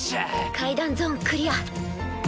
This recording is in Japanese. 階段ゾーンクリア。